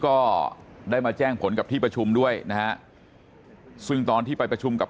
ก็ได้มาแจ้งผลกับที่ประชุมด้วยนะฮะซึ่งตอนที่ไปประชุมกับ